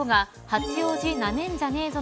八王子なめんじゃねえぞ。